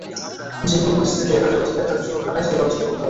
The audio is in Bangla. যেকোনো পরিস্থিতিতে তাঁদের অধিকার যাতে সুরক্ষা পায়, সেই ব্যবস্থা করতে হবে।